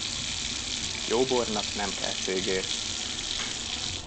Jó bornak nem kell cégér.